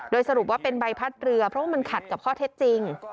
โดยสรุปว่าเป็นใบพัดเรือเพราะว่ามันขัดกับข้อเท็จจริง